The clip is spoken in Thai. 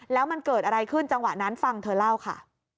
แล้วมันเกิดอะไรขึ้นจังหวะนั้นฟังเธอเล่าค่ะ